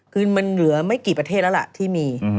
คือมันเหลือไม่กี่ประเทศแล้วล่ะที่มี